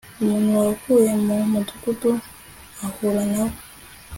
umuntu wavuye mu mudugudu ahura na we